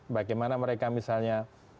bagaimana mereka misalnya